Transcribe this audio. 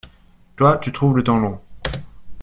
Toi, tu trouves le temps long.